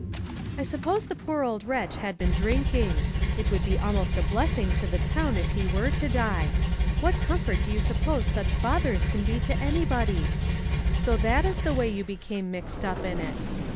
" I suppose the poor old wretch had been drinking. It would be almost a blessing to the town if he were to die. "What comfort do you suppose such fathers can be to any body? So that is the way you became mixed up in it!